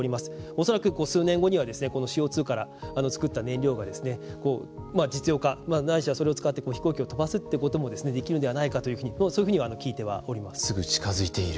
恐らく数年後にはこのＣＯ２からつくった燃料が実用化ないしは、それを使って飛行機を飛ばすってこともできるのではないかというふうにすぐ近づいている。